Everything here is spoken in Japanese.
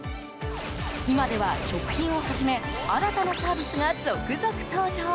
今では食品をはじめ新たなサービスが続々登場。